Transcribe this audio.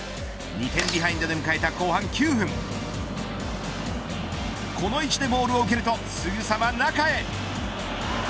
２点ビハインドで迎えた後半９分この位置でボールを受けるとすぐさま中へ。